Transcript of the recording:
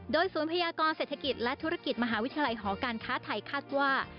โดยศูนย์พยากรเศรษฐกิจและธุรกิจมหาวิทยาลัยหอการค้าไทยคาดว่า